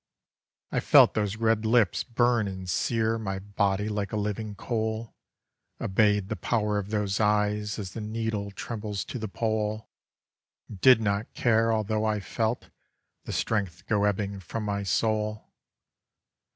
I felt those red lips burn and sear My body like a living coal; Obeyed the power of those eyes As the needle trembles to the pole; And did not care although I felt The strength go ebbing from my soul.